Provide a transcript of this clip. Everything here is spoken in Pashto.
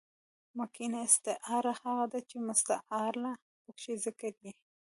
مکنیه استعاره هغه ده، چي مستعارله پکښي ذکر يي.